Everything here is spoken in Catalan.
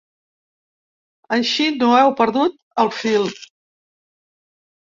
Així no heu perdut el fil.